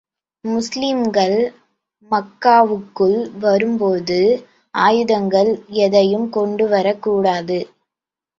முஸ்லிம்கள் மக்காவுக்குள் வரும் போது, ஆயுதங்கள் எதையும் கொண்டு வரக் கூடாது.